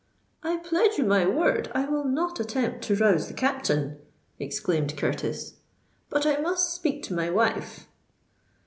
"I pledge you my word I will not attempt to rouse the Captain," exclaimed Curtis: "but I must speak to my wife."